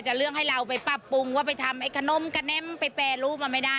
แจ้งความประสงค์เข้าร่วมโครงการระยะที่๒